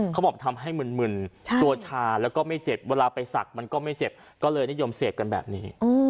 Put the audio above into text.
เขาบอกทำให้มึนตัวชาแล้วก็ไม่เจ็บเวลาไปสักมันก็ไม่เจ็บก็เลยนิยมเสพกันแบบนี้